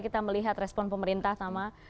kita melihat respon pemerintah sama